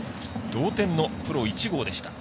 同点のプロ１号でした。